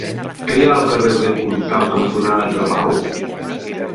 Què hi ha al carrer Rec Comtal cantonada Travau?